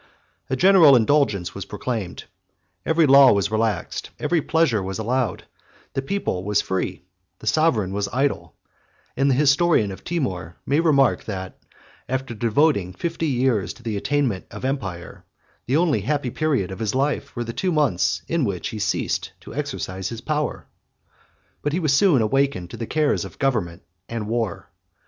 A general indulgence was proclaimed: every law was relaxed, every pleasure was allowed; the people was free, the sovereign was idle; and the historian of Timour may remark, that, after devoting fifty years to the attainment of empire, the only happy period of his life were the two months in which he ceased to exercise his power. But he was soon awakened to the cares of government and war.